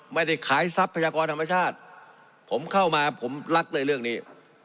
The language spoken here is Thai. ไม่ได้ขายทรัพยากรธรรมชาติผมเข้ามาผมรักเลยเรื่องนี้